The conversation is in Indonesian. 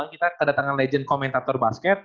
kita kedatangan legend komentator basket